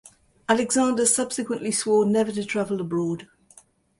Alexander subsequently swore never to travel abroad.